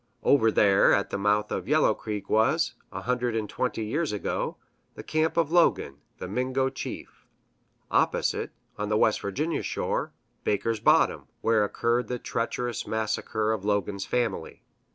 Over there at the mouth of Yellow Creek was, a hundred and twenty years ago, the camp of Logan, the Mingo chief; opposite, on the West Virginia shore, Baker's Bottom, where occurred the treacherous massacre of Logan's family.